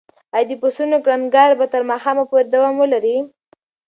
ایا د پسونو کړنګار به تر ماښامه پورې دوام ولري؟